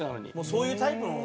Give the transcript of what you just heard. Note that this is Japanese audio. そういうタイプも。